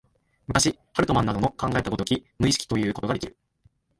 昔、ハルトマンなどの考えた如き無意識ともいうことができる。